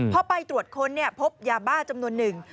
พอไปตรวจค้นพบยาบ้าจำนวนหนึ่ง